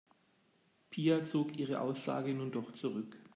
Pia zog ihre Aussage nun doch zurück.